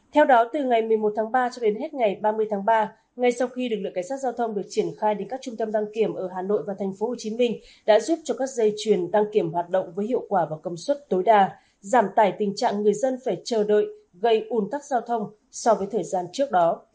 theo đó từ ngày một mươi một tháng ba cho đến hết ngày ba mươi tháng ba ngay sau khi lực lượng cảnh sát giao thông được triển khai đến các trung tâm đăng kiểm ở hà nội và tp hcm đã giúp cho các dây chuyển đăng kiểm hoạt động với hiệu quả và công suất tối đa giảm tải tình trạng người dân phải chờ đợi gây ủn tắc giao thông so với thời gian trước đó